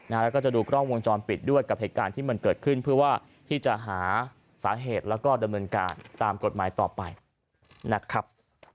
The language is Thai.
แล้วก็จะดูกล้องวงจรปิดด้วยกับเหตุการณ์ที่มันเกิดขึ้นเพื่อว่าที่จะหาสาเหตุแล้วก็ดำเนินการตามกฎหมายต่อไปนะครับ